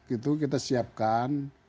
itu kita siapkan